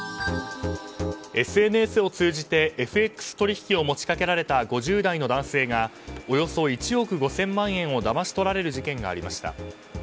ＳＮＳを通じてＦＸ取引を持ち掛けられた５０代の男性がおよそ１億５０００万円をだまし取られる事件がありました。